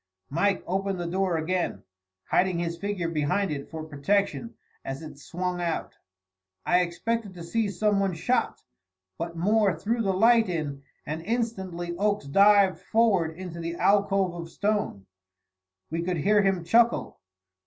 Mike opened the door again, hiding his figure behind it for protection as it swung out. I expected to see some one shot, but Moore threw the light in, and instantly Oakes dived forward into the alcove of stone. We could hear him chuckle.